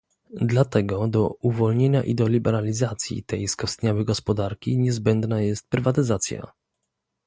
Dlatego do uwolnienia i do liberalizacji tej skostniałej gospodarki niezbędna jest prywatyzacja